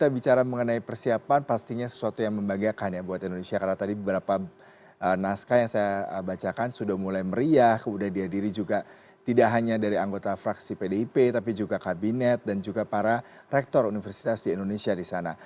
bagaimana perjalanannya dari anggota fraksi pdip tapi juga kabinet dan juga para rektor universitas di indonesia di sana